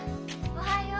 おはよう。